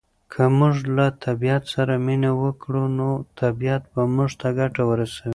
که موږ له طبعیت سره مینه وکړو نو طبعیت به موږ ته ګټه ورسوي.